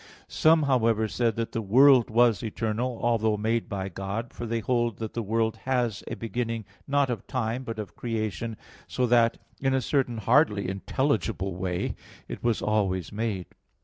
Some, however, said that the world was eternal, although made by God. For they hold that the world has a beginning, not of time, but of creation, so that in a certain hardly intelligible way it was always made.